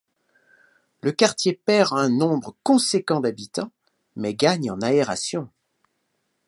Le quartier perd un nombre conséquent d'habitants mais gagne en aération.